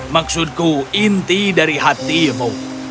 maksudku inti dari hatimu